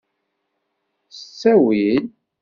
S ttawil!